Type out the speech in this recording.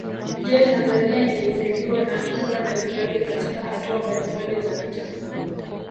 Je Tanzania ilisaidiwa na Cuba na Israeli Katika hatua mbalimbali za vita